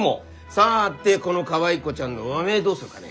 さてこのかわい子ちゃんの和名どうするかね？